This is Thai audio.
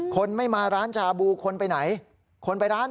คนไม่มาร้านจาบูคนไปไหน